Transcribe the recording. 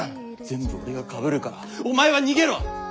全部俺がかぶるからお前は逃げろ。